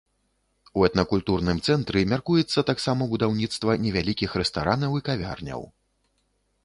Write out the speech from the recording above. У этнакультурным цэнтры мяркуецца таксама будаўніцтва невялікіх рэстаранаў і кавярняў.